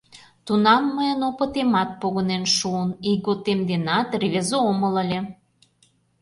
Тунам мыйын опытемат погынен шуын, ийготем денат рвезе омыл ыле.